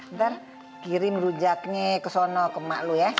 ntar kirim rujaknya ke sono ke mak lo ya